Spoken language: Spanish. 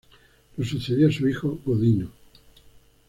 Lo sucedió su hijo Godino.